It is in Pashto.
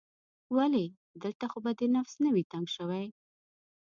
ولې؟ دلته خو به دې نفس نه وي تنګ شوی؟